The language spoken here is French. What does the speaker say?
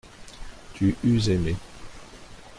Tu eus aimé.